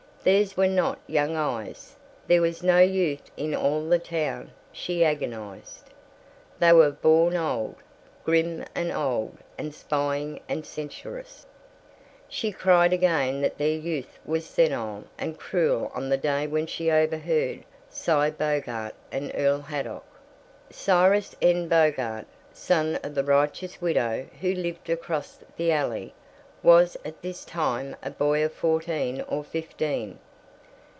Theirs were not young eyes there was no youth in all the town, she agonized. They were born old, grim and old and spying and censorious. She cried again that their youth was senile and cruel on the day when she overheard Cy Bogart and Earl Haydock. Cyrus N. Bogart, son of the righteous widow who lived across the alley, was at this time a boy of fourteen or fifteen.